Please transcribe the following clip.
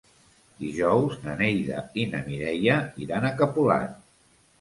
Dijous na Neida i na Mireia iran a Capolat.